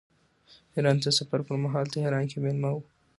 ایران ته د سفر پرمهال تهران کې مېلمه و.